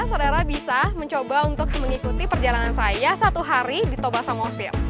selera bisa mencoba untuk mengikuti perjalanan saya satu hari di toba samosir